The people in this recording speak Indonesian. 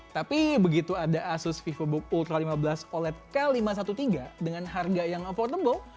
tapi begitu ada asus vivobook ultra lima belas oled k lima ratus tiga belas dengan harga yang affordable